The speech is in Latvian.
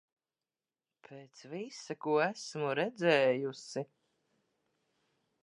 Pēc visa, ko es esmu redzējusi...